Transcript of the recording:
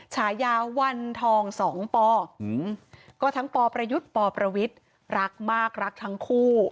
ฉายาวันทองสองปก็ทั้งปประยุทธ์ปประวิทย์รักมากรักทั้งคู่